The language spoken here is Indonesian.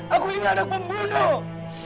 aku ini anak pembunuh